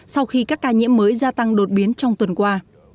sau khi các ca nhiễm mới gia tăng đột biến trong tuần qua